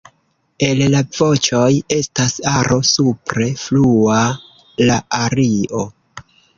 El la voĉoj estas aro supre flua la ario.